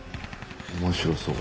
面白そう。